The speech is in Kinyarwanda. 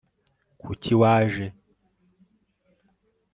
kuki waje